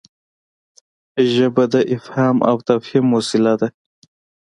ژبه د افهام او تفهيم وسیله ده.